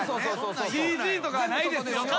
ＣＧとかないですよと。